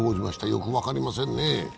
よく分かりませんね。